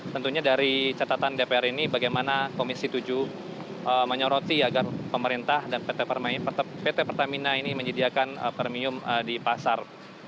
tentunya dari catatan dpr ini bagaimana komisi tujuh menyoroti agar pemerintah dan pt pertamina ini menyediakan premium di pasar